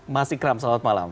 mas ikram selamat malam